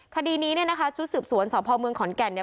คดีนี้เนี่ยนะคะชุดสืบสวนสพเมืองขอนแก่นเนี่ย